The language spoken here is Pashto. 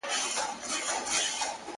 چا ویل دا چي، ژوندون آسان دی.